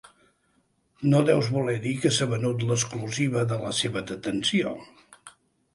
No deus voler dir que s'ha venut l'exclusiva de la seva detenció?